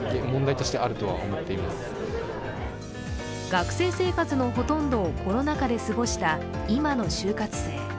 学生生活のほとんどを、コロナ禍で過ごした今の就活生。